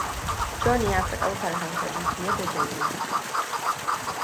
Jon ya fi daukar hankali fiye da Jauro.